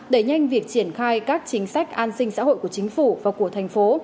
đẩy nhanh việc triển khai các chính sách an sinh xã hội của chính phủ và của thành phố